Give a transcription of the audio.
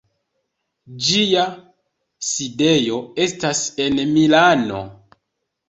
Ĝia sidejo estas en Milano.